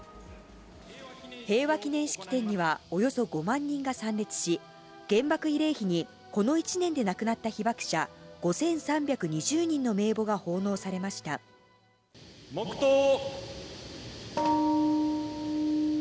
平和記念式典には、およそ５万人が参列し、原爆慰霊碑にこの１年で亡くなった被爆者５３２０人の名簿が奉納黙とう。